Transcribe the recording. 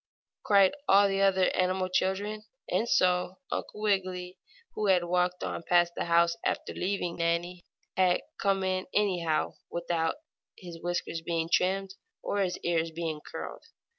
cried all the other animal children. And so Uncle Wiggily, who had walked on past the house after leaving Nannie, had to come in anyhow, without his whiskers being trimmed, or his ears curled.